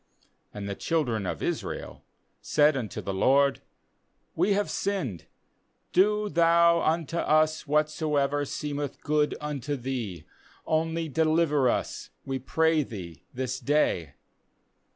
7 15And the children of Israel said unto the LORD: 'We have sinned; do Thou unto us whatsoever seemeth good unto Thee; only deliver us, we pray Thee, this day.'